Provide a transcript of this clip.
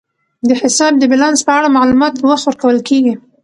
د حساب د بیلانس په اړه معلومات په وخت ورکول کیږي.